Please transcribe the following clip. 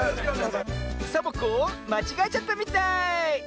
サボ子まちがえちゃったみたい！